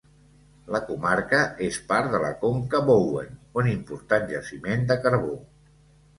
La comarca és part de la conca Bowen, un important jaciment de carbó.